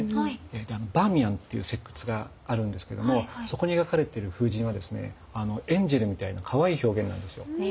バーミヤンっていう石窟があるんですけどもそこに描かれている風神はですねエンジェルみたいなかわいい表現なんですよ。